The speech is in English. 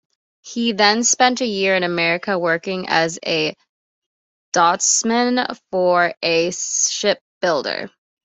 He then spent a year in America working as a draughtsman for a shipbuilder.